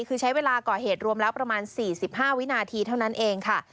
คือใช้เวลาก่อเหตุรวมแล้วประมาณ๔๕วินาทีเท่านั้นเองค่ะ